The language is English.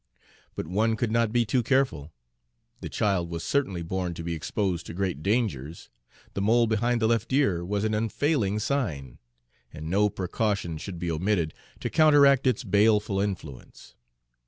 But one could not be too careful. The child was certainly born to be exposed to great dangers, the mole behind the left ear was an unfailing sign, and no precaution should be omitted to counteract its baleful influence.